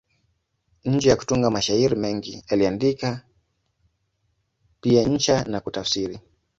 Nje ya kutunga mashairi mengi, aliandika pia insha na kutafsiri.